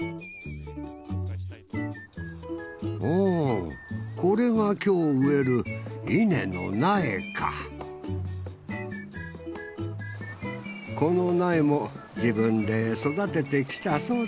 おこれが今日植える稲の苗かこの苗も自分で育ててきたそう